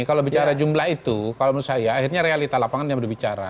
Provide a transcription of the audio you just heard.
kalau bicara jumlah itu kalau menurut saya akhirnya realita lapangannya berbicara